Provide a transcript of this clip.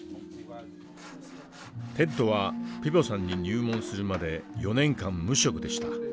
テッドはピヴォさんに入門するまで４年間無職でした。